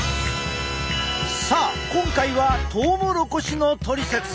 さあ今回はトウモロコシのトリセツ。